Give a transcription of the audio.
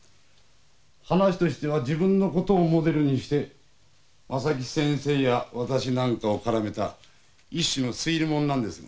話としては自分のことをモデルにして正木先生や私なんかを絡めた一種の推理ものなんです。